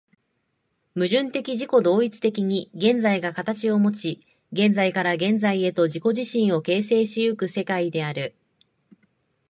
矛盾的自己同一的に現在が形をもち、現在から現在へと自己自身を形成し行く世界である。